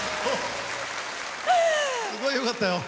すごいよかったよ。